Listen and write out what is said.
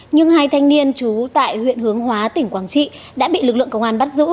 nhưng hai thanh niên trú tại huyện hướng hóa tỉnh quảng trị đã bị lực lượng công an bắt giữ